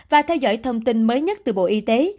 và theo dõi thông tin mới nhất từ bộ y tế